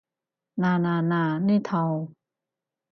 嗱嗱嗱，呢套